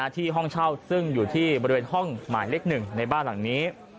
ที่ห้องเช่าซึ่งอยู่ที่บริเวณห้องหมายเลข๑ในบ้านหลังนี้